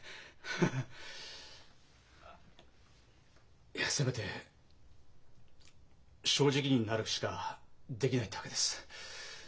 ハハハあっいやせめて正直になるしかできないってわけです。